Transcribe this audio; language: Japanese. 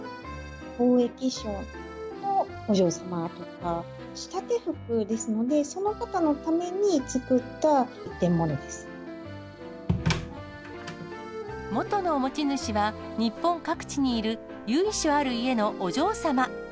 貿易商のお嬢様とか、仕立て服ですので、元の持ち主は、日本各地にいる由緒ある家のお嬢様。